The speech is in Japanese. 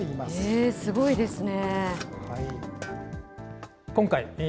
えー、すごいですね。